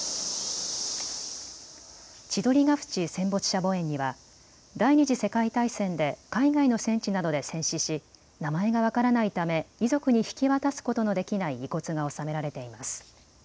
千鳥ヶ淵戦没者墓苑には第２次世界大戦で海外の戦地などで戦死し名前が分からないため遺族に引き渡すことのできない遺骨が納められています。